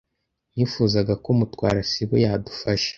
Nifuzaga ko Mutwara sibo yadufasha.